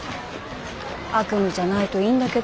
悪夢じゃないといいんだけど。